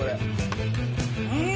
うん！